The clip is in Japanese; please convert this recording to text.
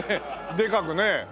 でかくね。